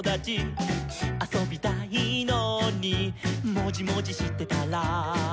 「あそびたいのにもじもじしてたら」